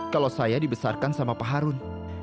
kalau saya dibesarkan sama pak harun